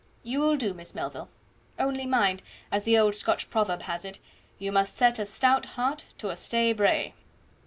You will do, Miss Melville; only mind, as the old Scotch proverb has it, 'You must set a stout heart to a stey brae'."